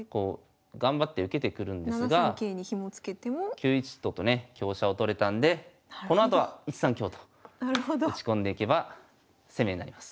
９一と金とね香車を取れたんでこのあとは１三香と打ち込んでいけば攻めになります。